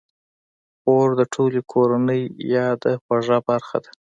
خور د ټولې کورنۍ یاده خوږه برخه ده.